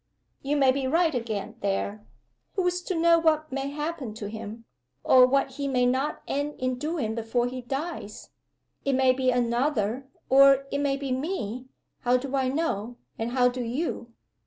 you may be right again there. Who's to know what may happen to him? or what he may not end in doing before he dies? It may be Another, or it may be Me. How do I know? and how do you?"